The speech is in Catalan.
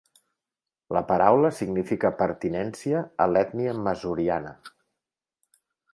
La paraula significa pertinència a l'ètnia masuriana.